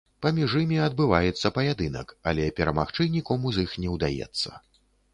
Паміж імі адбываецца паядынак, але перамагчы нікому з іх не ўдаецца.